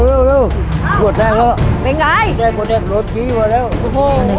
ได้คนเองโดดจี้มาแล้ว